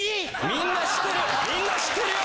みんな知ってるよ！